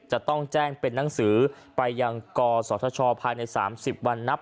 จะต้องแจ้งเป็นนังสือไปยังกศธชภายใน๓๐วันนับ